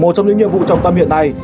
một trong những nhiệm vụ trong tâm hiện nay